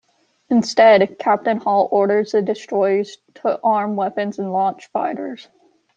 Instead, Captain Hall orders the Destroyers to arm weapons and launch fighters.